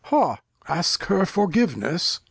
Ha ! Ask her Forgiveness ?